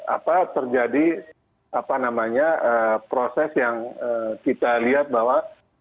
apa terjadi apa namanya proses yang kita lihat bahwa